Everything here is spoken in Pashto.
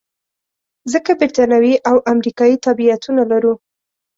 ځکه بریتانوي او امریکایي تابعیتونه لرو.